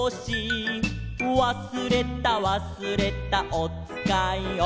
「わすれたわすれたおつかいを」